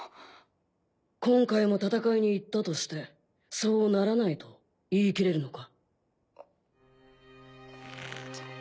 今回も戦いに行ったとしてそうならないと言い切れるのか。